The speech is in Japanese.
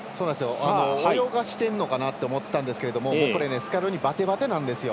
泳がしてるのかなと思っていたんですけどこれね、スキャローニバテバテなんですよ。